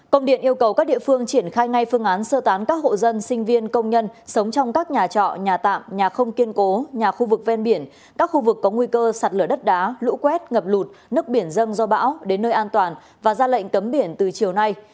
công điện yêu cầu các địa phương triển khai ngay phương án sơ tán các hộ dân sinh viên công nhân sống trong các nhà trọ nhà tạm nhà không kiên cố nhà khu vực ven biển các khu vực có nguy cơ sạt lở đất đá lũ quét ngập lụt nước biển dâng do bão đến nơi an toàn và ra lệnh cấm biển từ chiều nay